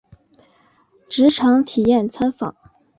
职场体验参访